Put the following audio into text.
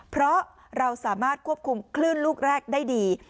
เพราะเราสามารถควบคุมคลื่นลูกแรกได้ดี